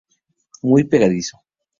Muy pegadizo.